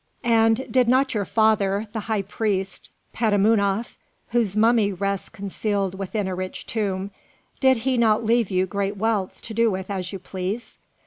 And did not your father, the high priest Petamounoph, whose mummy rests concealed within a rich tomb, did he not leave you great wealth to do with as you please?